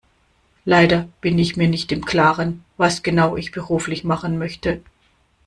Leider bin ich mir nicht im Klaren, was genau ich beruflich machen möchte.